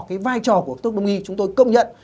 cái vai trò của thuốc đông y chúng tôi công nhận